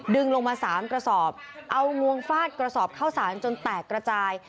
ลงมา๓กระสอบเอางวงฟาดกระสอบข้าวสารจนแตกกระจาย